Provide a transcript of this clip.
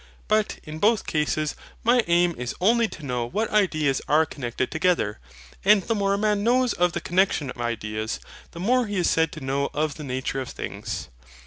But, in both cases, my aim is only to know what ideas are connected together; and the more a man knows of the connexion of ideas, the more he is said to know of the nature of things.